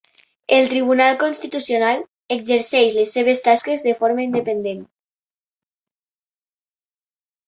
El Tribunal Constitucional exerceix les seves tasques de forma independent.